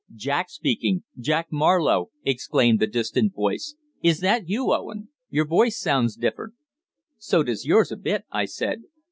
"Jack speaking Jack Marlowe," exclaimed the distant voice. "Is that you, Owen? Your voice sounds different." "So does yours, a bit," I said.